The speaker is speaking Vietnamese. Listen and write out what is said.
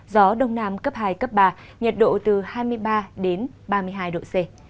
gió đông nam cấp hai cấp ba nhiệt độ từ hai mươi ba đến ba mươi hai độ c